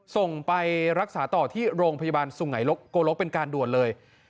ส่งไปรักษาต่อที่โรงพยาบาลสุไงโกลกเป็นการด่วนเลย